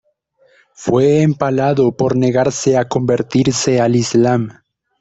Fue empalado por negarse a convertirse al islam.